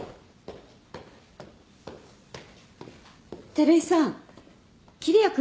照井さん桐矢君